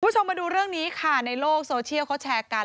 คุณผู้ชมมาดูเรื่องนี้ค่ะในโลกโซเชียลเขาแชร์กัน